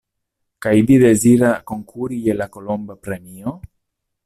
Kaj vi deziras konkuri je la kolomba premio?